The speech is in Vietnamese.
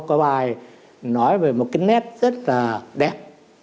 có bài nói về một cái nét rất là đẹp